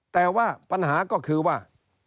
แต่ว่าปัญหาก็คือว่า